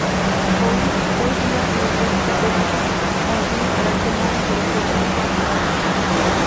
Hoy día la Iglesia católica mantiene el carácter móvil de la fecha de Pascua.